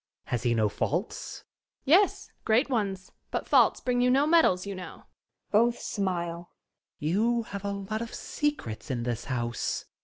Has he no faults? Young Lady. Yes, great ones, but faults bring you no medals, you know. [Both smile. Student. You have a lot of secrets in this house.